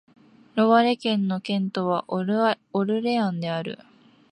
ロワレ県の県都はオルレアンである